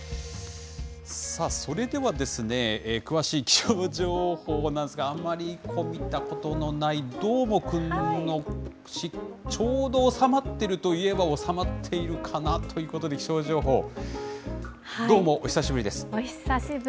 さあ、それでは詳しい気象情報なんですが、あんまり見たことのない、どーもくんのちょうど収まっていると言えば収まっているかなということで、気象情報、どーも、お久しぶりです。